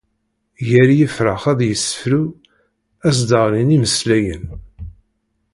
Gar yifrax ad yessefru, ad s-d-ɣlin imeslayen.